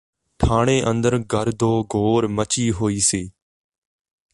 ਠਾਣੇ ਅੰਦਰ ਗਰਦੋਗੋਰ ਮੱਚੀ ਹੋਈ ਸੀ